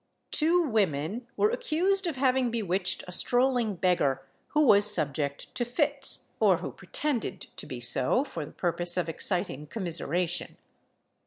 Two women were accused of having bewitched a strolling beggar who was subject to fits, or who pretended to be so, for the purpose of exciting commiseration.